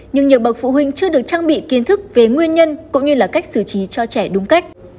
nhưng nhiều bậc phụ huynh chưa được trang bị kiến thức về nguyên nhân cũng như là cách xử trí cho trẻ đúng cách